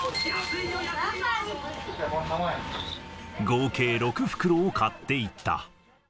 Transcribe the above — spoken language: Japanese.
合計６袋を買っていった。